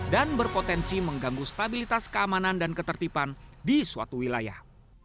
dan berpotensi mengganggu stabilitas keamanan dan ketertiban di suatu wilayah